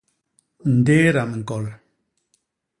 Ndééda miñkol.